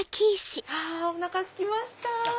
おなかすきました！